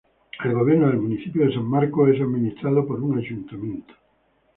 El gobierno del municipio de San Marcos es administrado por un ayuntamiento.